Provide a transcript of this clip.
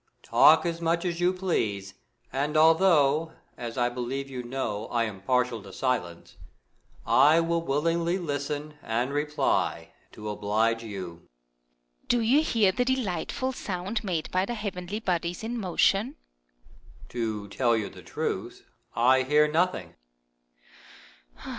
Talk as much as you please, and although, as I believe you know, I am partial to silence, I will willingly listen and reply, to oblige you. Earth. Do you hear the delightful sound made by the heavenly bodies in motion ?%^ 42 DIALOGUE BETWEEN Moon. To tell you the truth, I hear nothing.